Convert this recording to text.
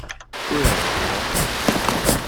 厄尔伯。